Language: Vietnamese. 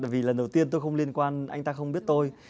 vì lần đầu tiên tôi không liên quan anh ta không biết tôi